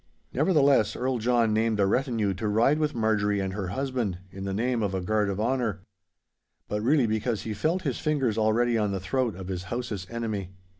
Nevertheless, Earl John named a retinue to ride with Marjorie and her husband, in the name of a guard of honour; but really because he felt his fingers already on the throat of his house's enemy.